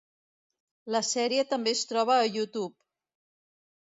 La sèrie també es troba a YouTube.